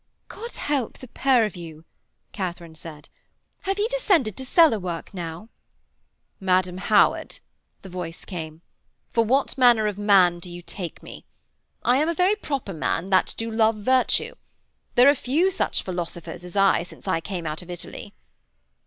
'God help the pair of you,' Katharine said. 'Have ye descended to cellar work now?' 'Madam Howard,' the voice came, 'for what manner of man do you take me? I am a very proper man that do love virtue. There are few such philosophers as I since I came out of Italy.'